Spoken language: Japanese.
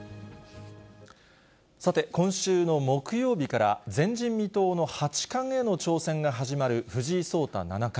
さて今週の木曜日から、前人未到の八冠への挑戦が始まる藤井聡太七冠。